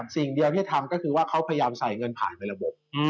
สิ่งเดียวที่ทำก็คือว่าเขาพยายามใส่เงินผ่านไประบบ